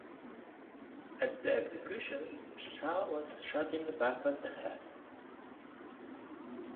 At the execution, Shah was shot in the back of the head.